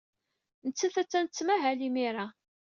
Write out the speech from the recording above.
Nettat attan tettmahal imir-a.